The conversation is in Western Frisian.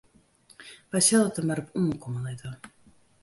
Wy sille it der mar op oankomme litte.